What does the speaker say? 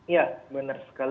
ya benar sekali